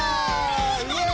イエイ！